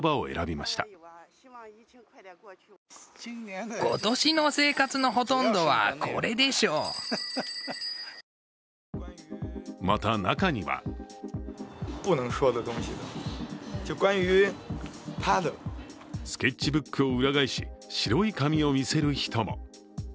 また、中にはスケッチブックを裏返し白い紙を見せる人も。